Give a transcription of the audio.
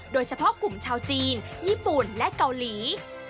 โดยเฉพาะกลุ่มชาวจีนญี่ปุ่นและเกาหลี